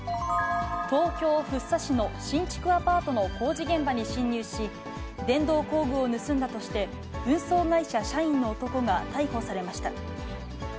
東京・福生市の新築アパートの工事現場に侵入し、電動工具を盗んだとして、運送会社社員の男が逮捕されました。